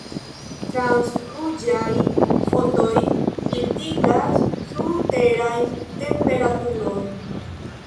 Transruĝaj fotoj bildigas surterajn temperaturojn.